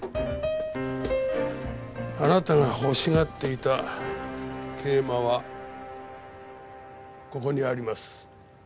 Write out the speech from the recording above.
あなたが欲しがっていた桂馬はここにあります。